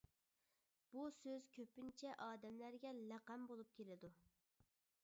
بۇ سۆز كۆپىنچە ئادەملەرگە لەقەم بولۇپ كېلىدۇ.